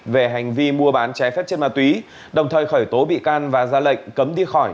về hành vi mua bán trái phép chất ma túy đồng thời khởi tố bị can và ra lệnh cấm đi khỏi